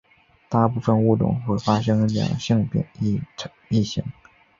大部份物种会发生两性异形。